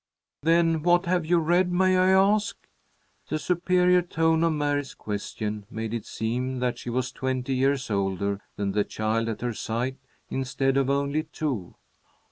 "Then what have you read, may I ask?" The superior tone of Mary's question made it seem that she was twenty years older than the child at her side, instead of only two.